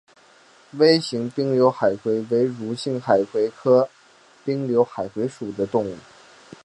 微型滨瘤海葵为蠕形海葵科滨瘤海葵属的动物。